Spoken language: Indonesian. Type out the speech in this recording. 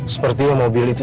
sepertinya mobil itu